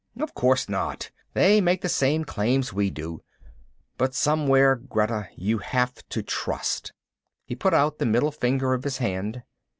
"Of course not! They make the same claims we do. But somewhere, Greta, you have to trust." He put out the middle finger of his hand.